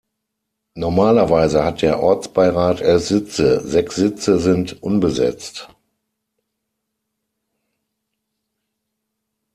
Normalerweise hat der Ortsbeirat elf Sitze, sechs Sitze sind unbesetzt.